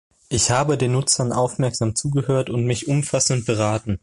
Ich habe den Nutzern aufmerksam zugehört und mich umfassend beraten.